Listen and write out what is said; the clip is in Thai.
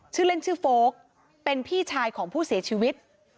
ชื่อเล่นชื่อโฟลกเป็นพี่ชายของผู้เสียชีวิต